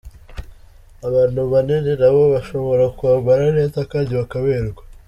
Abantu banini nabo bashobora kwambara neza kandi bakaberwa.